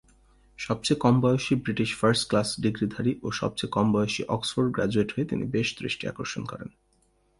সবচেয়ে কমবয়সী British first class ডিগ্রিধারী ও সবচেয়ে কমবয়সী অক্সফোর্ড গ্র্যাজুয়েট হয়ে তিনি বেশ দৃষ্টি আকর্ষণ করেন।